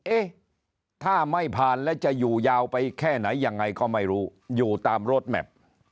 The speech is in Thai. เอ๊ะถ้าไม่ผ่านแล้วจะอยู่ยาวไปแค่ไหนยังไงก็ไม่รู้อยู่ตามรถแมพ